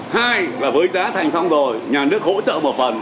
hai là với giá thành xong rồi nhà nước hỗ trợ một phần